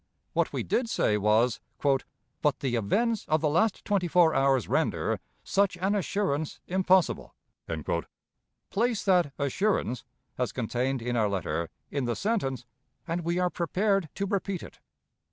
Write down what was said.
What we did say was, "But the events of the last twenty four hours render such an assurance impossible." Place that "assurance," as contained in our letter, in the sentence, and we are prepared to repeat it.